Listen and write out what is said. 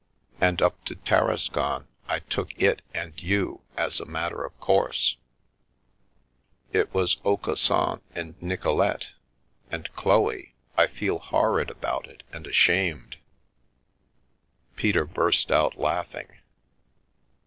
And up to Tarascon I took it, and you, as a matter of course. It was Aucassin Via Amoris and Nicolete — and Chloe — I feel horrid about it and ashamed " Peter burst out laughing.